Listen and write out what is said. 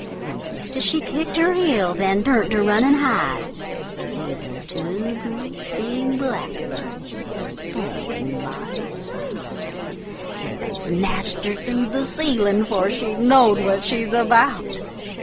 An' thist as she kicked her heels, an' turn't to run an' hide, They wuz two great big Black Things a standin' by her side, An' they snatched her through the ceilin' 'fore she knowed what she's about!